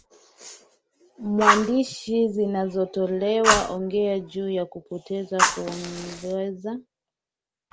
mwandishi zinazotolewa Ongea juu ya Kupoteza Kuongeza